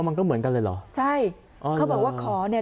มันก็เหมือนกันเลยเหรอใช่อ๋อเขาบอกว่าขอเนี่ย